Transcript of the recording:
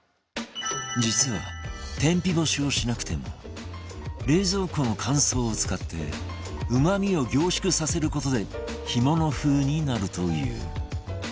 実は天日干しをしなくても冷蔵庫の乾燥を使ってうまみを凝縮させる事で干物風になるという